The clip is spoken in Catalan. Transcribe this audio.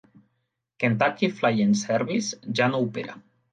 Kentucky Flying Service ja no opera.